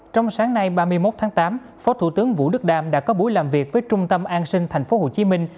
trong sáng nay ba mươi một tháng tám phó thủ tướng vũ đức đam đã có buổi làm việc với trung tâm an sinh tp hcm